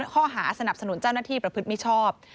ข้อหาสนับสนุนเจ้าหน้าที่ประพฤติมิชชอบ